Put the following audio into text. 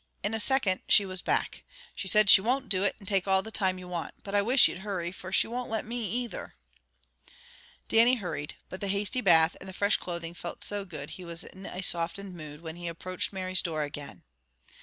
In a second she was back. "She said she won't do it, and take all the time you want. But I wish you'd hurry, for she won't let me either." Dannie hurried. But the hasty bath and the fresh clothing felt so good he was in a softened mood when he approached Mary's door again.